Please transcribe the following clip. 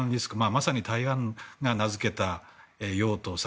まさに台湾が名付けた養・套・殺。